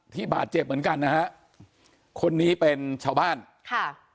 บาดเจ็บเหมือนกันนะฮะคนนี้เป็นชาวบ้านค่ะ